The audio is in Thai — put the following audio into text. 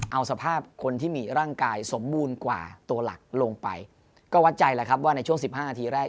เอาสภาพคนที่มีร่างกายสมบูรณ์กว่าตัวหลักลงไปก็วัดใจแล้วครับว่าในช่วงสิบห้านาทีแรก